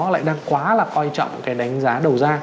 lại đang quá là coi trọng cái đánh giá đầu ra